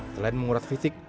selain menguras fisik